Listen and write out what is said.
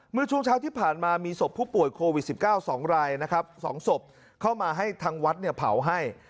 เมื่อช่วงเช้าที่ผ่านมามีศพผู้ป่วยโควิด๑๙๒รายนะครับ๒ศพเข้ามาให้ทางวัดเนี่ยเผาให้